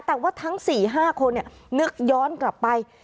แต่ว่าทั้ง๔๕คนนึกย้อนกลับไป